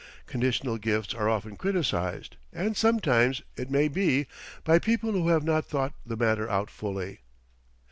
Conditional gifts are often criticized, and sometimes, it may be, by people who have not thought the matter out fully.